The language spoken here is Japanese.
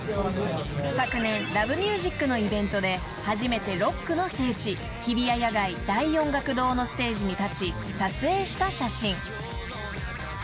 ［昨年『Ｌｏｖｅｍｕｓｉｃ』のイベントで初めてロックの聖地日比谷野外大音楽堂のステージに立ち撮影した写真］